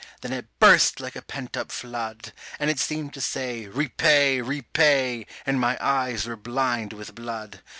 . .then it burst like a pent up flood; And it seemed to say, "Repay, repay", and my eyes were blind with blood.